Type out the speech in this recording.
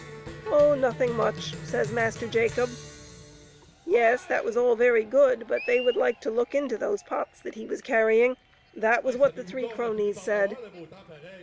" Oh, nothing much, says Master Jacob. Yes ; that was all very good, but they would like to look into those pots that he was carrying; that was what the three cronies said.